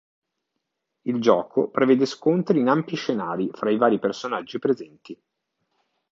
Il gioco prevede scontri in ampi scenari fra i vari personaggi presenti.